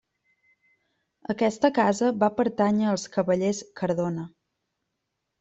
Aquesta casa va pertànyer als cavallers Cardona.